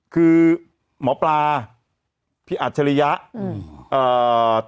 คือหมอปลาพี่อัธิริยะอืม